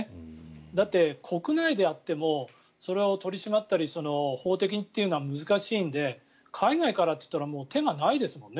だって国内でやってもそれを取り締まったり法的にっていうのは難しいので海外からっていったらもう手がないですもんね。